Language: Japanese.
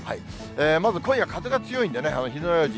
まず今夜、風が強いんでね、火の用心。